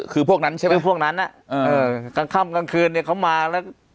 คือพวกนั้นใช่ไหมพวกนั้นกลางค่ำกลางคืนเนี่ยเขามาแล้ว